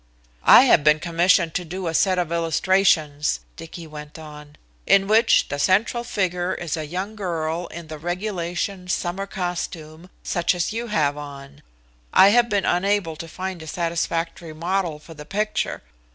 "I have been commissioned to do a set of illustrations," Dicky went on, "in which the central figure is a young girl in the regulation summer costume, such as you have on. I have been unable to find a satisfactory model for the picture.